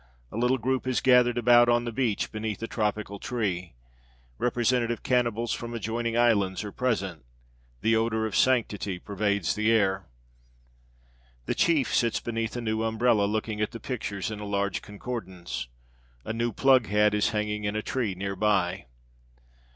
A little group is gathered about on the beach beneath a tropical tree. Representative cannibals from adjoining islands are present. The odor of sanctity pervades the air. The chief sits beneath a new umbrella, looking at the pictures in a large concordance. A new plug hat is hanging in a tree near by.